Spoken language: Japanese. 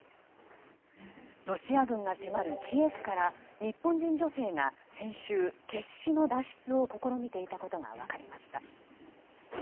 ロシア軍が迫るキエフから日本人女性が先週、決死の脱出を試みていたことが分かりました。